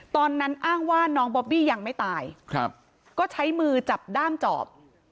ตอนนั้นอ้างว่าน้องบอบบี้ยังไม่ตายก็ใช้มือจับด้ามจอบ